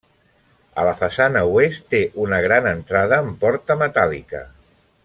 A la façana oest, té una gran entrada amb porta metàl·lica.